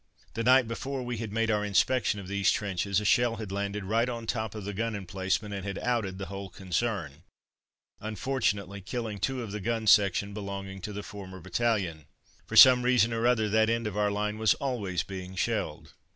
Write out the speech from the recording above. The night before we had made our inspection of these trenches, a shell had landed right on top of the gun emplacement and had "outed" the whole concern, unfortunately killing two of the gun section belonging to the former battalion. For some reason or other that end of our line was always being shelled.